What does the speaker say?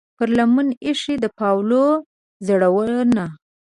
پر لمن ایښې د پاولو زړونه